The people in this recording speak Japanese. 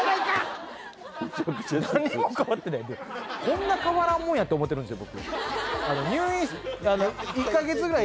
こんな変わらんもんやって思ってるんですよ